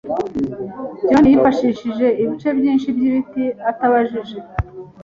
John yifashishije ibice byinshi by'ibiti atabajije.